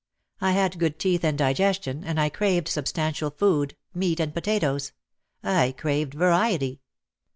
I had good teeth and digestion and I craved substantial food, meat and potatoes. I craved variety.